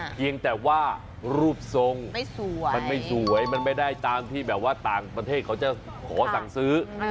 เพียงแต่ว่ารูปทรงมันไม่สวยมันไม่ได้ตามที่แบบว่าต่างประเทศเขาจะขอสั่งซื้อ